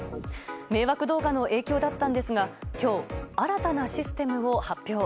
迷惑動画の影響だったんですが今日、新たなシステムを発表。